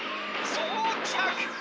そうちゃく！